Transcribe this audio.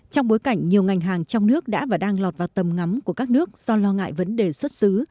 trong bối cảnh nhiều ngành hàng trong nước đã và đang lọt vào tầm ngắm của các nước do lo ngại vấn đề xuất xứ